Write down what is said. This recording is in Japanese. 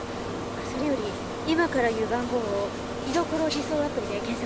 それより今から言う番号を居所自送アプリで検索して。